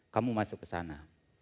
kamu masuk ke sana